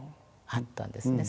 あったんですね